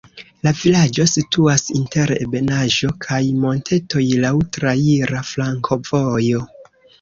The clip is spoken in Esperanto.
La vilaĝo situas inter ebenaĵo kaj montetoj, laŭ traira flankovojo.